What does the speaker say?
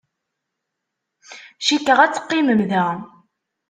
Cikkeɣ ad teqqimem da.